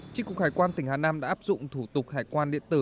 tri cục hải quan tỉnh hà nam đã áp dụng thủ tục hải quan điện tử